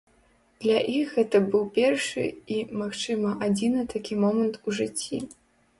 Для іх гэта быў першы і, магчыма адзіны такі момант у жыцці!